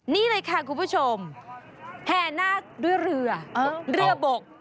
นี่เลยค่ะคุณผู้ชมแห่นหน้าเรือเบิก